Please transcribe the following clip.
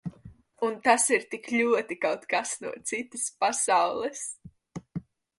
Un tas ir tik ļoti kaut kas no citas pasaules.